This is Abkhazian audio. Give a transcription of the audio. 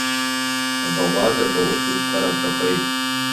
Абаӷәазаҿ аусутәқәа рацәахеит.